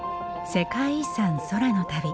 「世界遺産空の旅」。